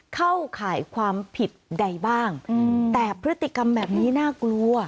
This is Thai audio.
เข้าข่ายความผิดใดบ้างแต่พฤติกรรมแบบนี้น่ากลัว